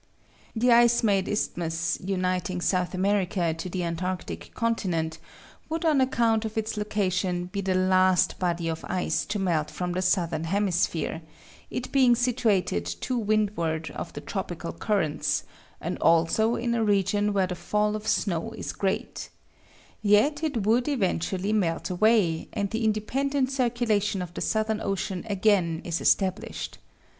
The ice made isthmus uniting South America to the antarctic continent would on account of its location be the last body of ice to melt from the southern hemisphere, it being situated to windward of the tropical currents and also in a region where the fall of snow is great; yet it would eventually melt away, and the independent circulation of the Southern Ocean again be established.